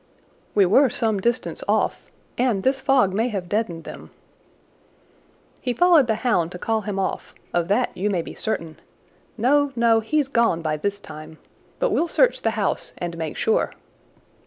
"We were some distance off, and this fog may have deadened them." "He followed the hound to call him off—of that you may be certain. No, no, he's gone by this time! But we'll search the house and make sure."